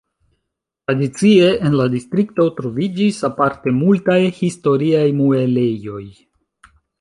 Tradicie en la distrikto troviĝis aparte multaj historiaj muelejoj.